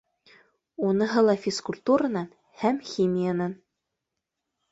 Уныһы ла физкультуранан һәм химиянан.